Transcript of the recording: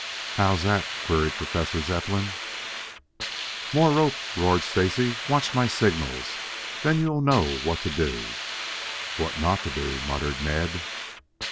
"How's that?" queried Professor Zepplin. "More rope!" roared Stacy. "Watch my signals, then you'll know what to do." "What not to do," muttered Ned.